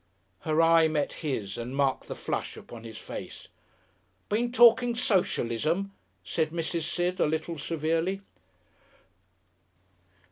Her eye met his and marked the flush upon his face. "Been talking Socialism?" said Mrs. Sid, a little severely.